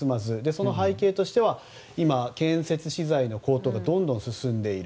その背景としては今建設資材の高騰がどんどん進んでいる。